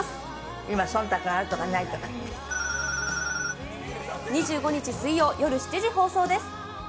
今、そんたくがあるとかない２５日水曜夜７時放送です。